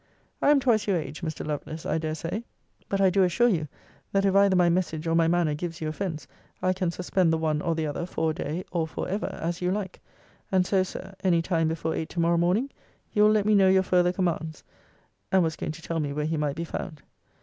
I am twice your age, Mr. Lovelace, I dare say: but I do assure you, that if either my message or my manner gives you offence, I can suspend the one or the other for a day, or for ever, as you like. And so, Sir, any time before eight tomorrow morning, you will let me know your further commands. And was going to tell me where he might be found.